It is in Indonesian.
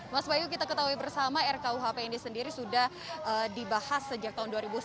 mas bayu kita ketahui bersama rkuhp ini sendiri sudah dibahas sejak tahun dua ribu sembilan belas